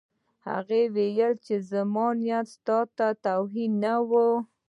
هغه وویل چې زما نیت تاسو ته توهین نه و